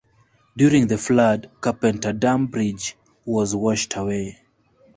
During the flood, Carpenter Dam Bridge was washed away.